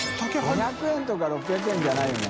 ５００円とか６００円じゃないよね。